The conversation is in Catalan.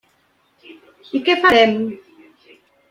I què farem?